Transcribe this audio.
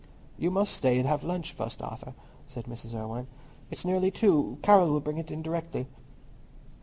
"You must stay and have lunch first, Arthur," said Mrs. Irwine. "It's nearly two. Carroll will bring it in directly."